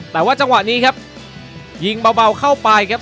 แต่ว่าจังหวะนี้ครับยิงเบาเข้าไปครับ